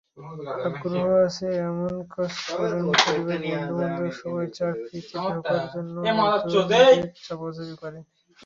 আগ্রহ আছে এমন কাজ করুনপরিবার, বন্ধুবান্ধব সবাই চাকরিতে ঢোকার জন্য নতুনদের চাপাচাপি করে।